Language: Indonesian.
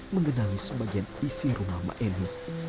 mengenali sebagian isi rumah ma emi